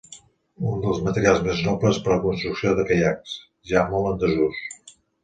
Un dels materials més nobles per a la construcció de caiacs, ja molt en desús.